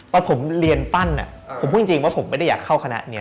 ตอนผมเรียนปั้นผมพูดจริงว่าผมไม่ได้อยากเข้าคณะนี้